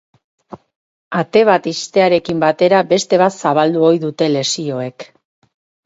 Ate bat ixtearekin batera beste bat zabaldu ohi dute lesioek.